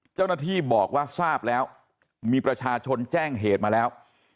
เจ้าหน้าที่บอกว่าทราบแล้วมีประชาชนแจ้งเหตุมาแล้ว